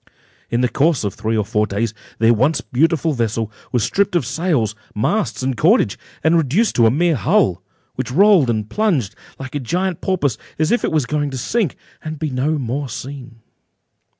In the course of three or four days, their once beautiful vessel was stripped of sails, masts, and cordage, and reduced to a mere hull, which rolled and plunged, like a huge porpoise, as if it was going to sink, and be no more seen.